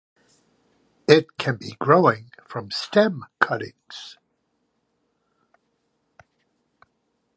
It can be growing from stem cuttings.